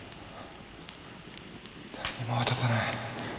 誰にも渡さない